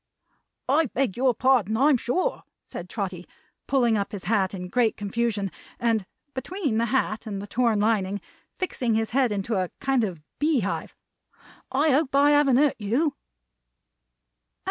"I beg your pardon, I'm sure!" said Trotty, pulling up his hat in great confusion, and between the hat and the torn lining, fixing his head into a kind of bee hive. "I hope I haven't hurt you."